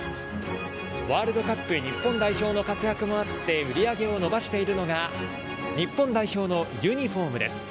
ワールドカップ日本代表の活躍もあって売上を伸ばしているのが日本代表のユニホームです。